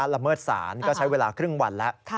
ละเมิดศาลก็ใช้เวลาครึ่งวันแล้ว